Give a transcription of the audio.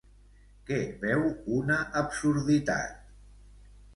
Què veu una absurditat?